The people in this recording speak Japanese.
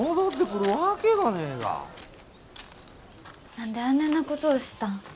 何であねえなことをしたん？